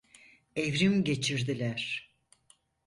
Evrim geçirdiler.